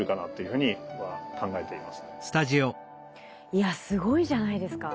いやすごいじゃないですか。